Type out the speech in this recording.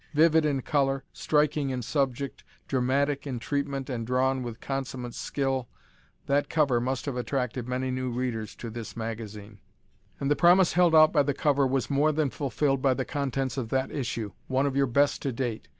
Vivid in color, striking in subject, dramatic in treatment and drawn with consummate skill, that cover must have attracted many new Readers to this magazine. And the promise held out by the cover was more than fulfilled by the contents of that issue one of your best to date.